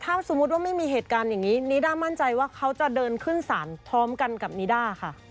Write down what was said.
ถ้าสมมุติว่าไม่มีเหตุการณ์อย่างนี้นิด้ามั่นใจว่าเขาจะเดินขึ้นศาลพร้อมกันกับนิด้าค่ะ